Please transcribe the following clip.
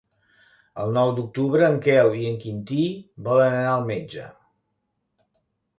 El nou d'octubre en Quel i en Quintí volen anar al metge.